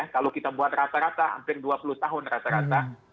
kalau kita buat rata rata hampir dua puluh tahun rata rata